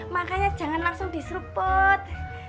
makanya jangan langsung diserupot